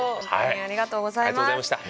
ありがとうございます。